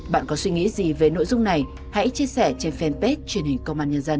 bạn có suy nghĩ gì về nội dung này hãy chia sẻ trên fanpage truyền hình công an nhân dân